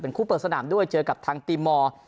คู่เปิดสนามด้วยเจอกับทางตีมอร์